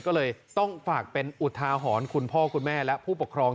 ก็เลยต้องฝากเป็นอุทาหรณ์คุณพ่อคุณแม่และผู้ปกครอง